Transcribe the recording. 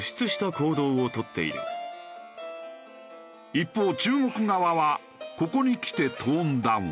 一方中国側はここにきてトーンダウン。